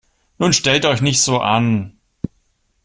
Nun stellt euch nicht so an!